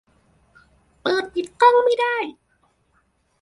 เปิด-ปิดกล้องไม่ได้